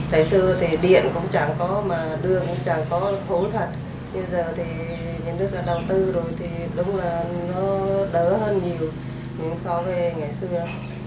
thời xưa thì điện cũng chẳng có mà đường cũng chẳng có khốn thật nhưng giờ thì nhà nước đã đầu tư rồi thì đúng là nó đỡ hơn nhiều so với ngày xưa